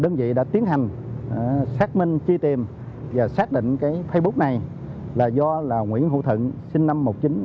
đơn vị đã tiến hành xác minh truy tìm và xác định facebook này là do nguyễn hữu thuận sinh năm một nghìn chín trăm năm mươi bảy